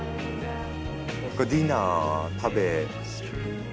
ディナー食べる？